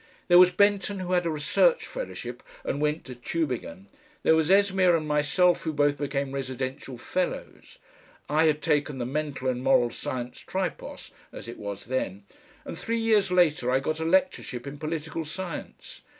There was Benton who had a Research Fellowship and went to Tubingen, there was Esmeer and myself who both became Residential Fellows. I had taken the Mental and Moral Science Tripos (as it was then), and three years later I got a lectureship in political science.